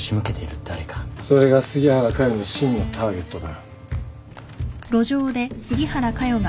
それが杉原佳代の真のターゲットだ。